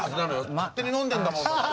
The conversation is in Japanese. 勝手に飲んでんだもんだって。